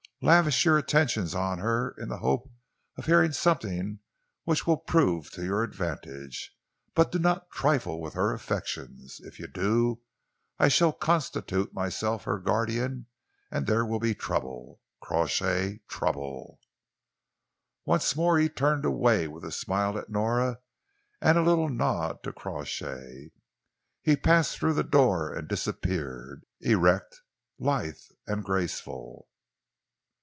Lavish your attentions on her in the hope of hearing something which will prove to your advantage, but do not trifle with her affections. If you do, I shall constitute myself her guardian and there will be trouble, Crawshay trouble." Once more he turned away, with a smile at Nora and a little nod to Crawshay. He passed through the door and disappeared, erect, lithe and graceful.